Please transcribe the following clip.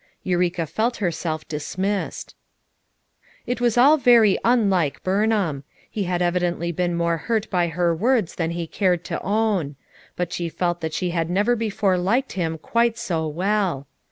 Eureka felt herself dismissed. It was all very unlike Burnham ; he had evi dently been more hurt by her words than he cared to own; but she felt that she had never before liked him quite so well.